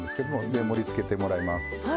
じゃあ盛りつけてもらいます。